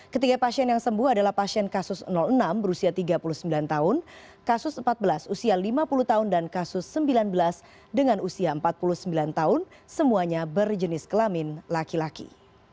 ketiga pasien yang sembuh adalah pasien kasus enam berusia tiga puluh sembilan tahun kasus empat belas usia lima puluh tahun dan kasus sembilan belas dengan usia empat puluh sembilan tahun semuanya berjenis kelamin laki laki